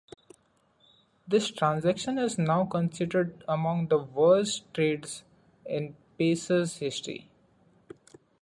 This transaction is now considered among the worst trades in Pacers' history.